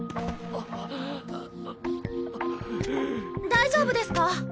大丈夫ですか？